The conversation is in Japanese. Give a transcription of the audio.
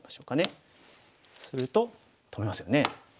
すると止めますよね。